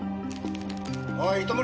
おい糸村！